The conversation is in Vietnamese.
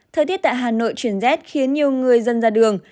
thời tiết tại hà nội chuyển rét khiến nhiều người dân ra đường